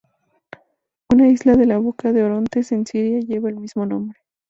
Una isla de la boca del Orontes, en Siria, llevaba el mismo nombre.